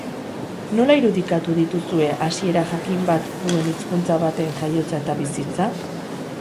Nola irudikatu dituzue hasiera jakin bat duen hizkuntza baten jaiotza eta bizitza?